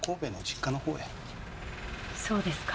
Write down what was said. そうですか。